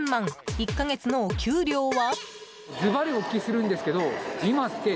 １か月のお給料は？